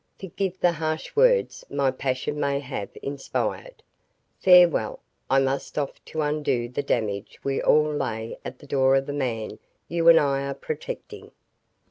Forgive the harsh words my passion may have inspired. Farewell! I must off to undo the damage we all lay at the door of the man you and I are protecting."